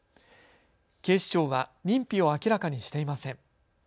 警視庁は認否を明らかにしていません。